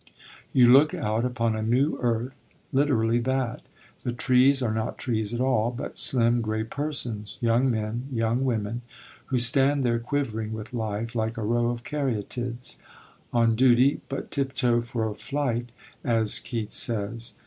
You look out upon a new earth, literally that. The trees are not trees at all, but slim grey persons, young men, young women, who stand there quivering with life, like a row of Caryatides on duty, but tiptoe for a flight, as Keats says.